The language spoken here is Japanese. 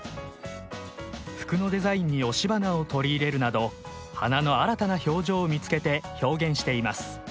服のデザインに押し花を取り入れるなど花の新たな表情を見つけて表現しています。